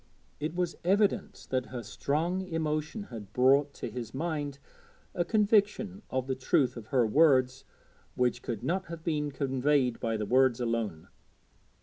It was evident that her strong emotion had brought to his mind a conviction of the truth of her words which could not have been conveyed by the words alone.